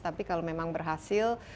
tapi kalau memang berhasil